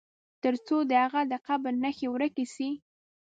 تر څو د هغه د قبر نښي ورکي سي.